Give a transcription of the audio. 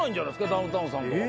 ダウンタウンさんとかも。